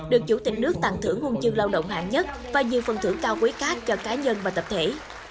được chủ tịch nước tặng thưởng huân chương lao động hạng nhất và nhiều phần thưởng cao quý khác cho cá nhân và tập thể